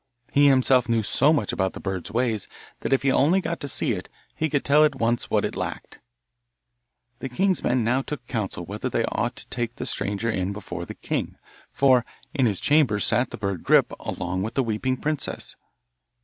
He himself knew so much about the bird's ways that if he only got to see it he could tell at once what it lacked. The king's men now took counsel whether they ought to take the stranger in before the king, for in his chamber sat the bird Grip along with the weeping princess.